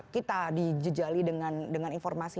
kita dijajali dengan dengan informasi